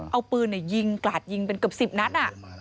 เอาปืนกล่าดยิงเป็นกับ๑๐นัด